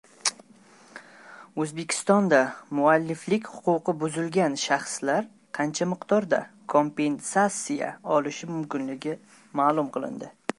O‘zbekistonda mualliflik huquqi buzilgan shaxslar qancha miqdorda kompensasiya olishi mumkinligi ma’lum qilindi